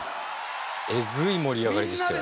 えぐい盛り上がりでしたよ。